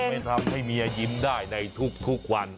ไปทำให้เมียยิ้มได้ในทุกวัน